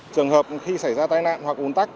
trường hợp khi xảy ra tai nạn hoặc ồn tắc